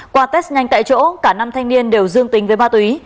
qua test nhanh tại chỗ cả năm thanh niên đều dương tính với ma túy